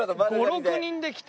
５６人で来て。